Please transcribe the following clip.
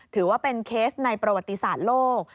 ถือว่าเป็นเคสในประวัติศาสตร์โลก